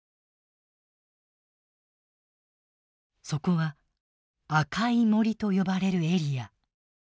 そこは「赤い森」と呼ばれるエリア。